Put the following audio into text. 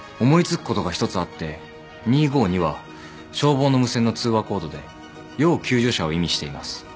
思いつくことが１つあって２５２は消防の無線の通話コードで要救助者を意味しています。